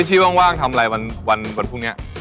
พิชชิว่างทำอะไรวันพูดเนี่ย